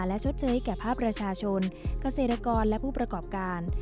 และชดเชยให้แก่ภาคประชาชนเกษตรกรและผู้ประกอบการ